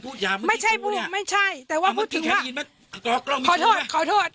พูดยามไม่ใช่ไม่ใช่แต่ว่าพูดถึงว่าขอโทษขอโทษ